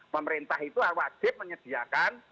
pemerintah itu wajib menyediakan